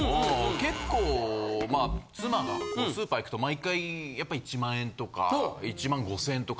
結構妻がスーパー行くと毎回やっぱ１万円とか１５０００円とか。